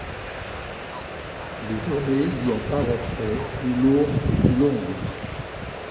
Les journées lui en paraissaient plus lourdes et plus longues.